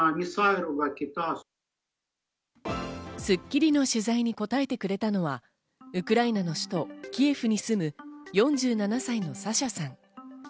『スッキリ』の取材に答えてくれたのはウクライナの首都キエフに住む４７歳のサシャさん。